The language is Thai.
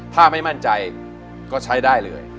ถ้าไม่มั่นใจก็ใช้ได้เลย